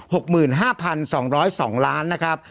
หกหมื่นห้าพันสองร้อยสองล้านนะครับ